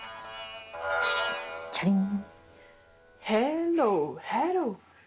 チャリン。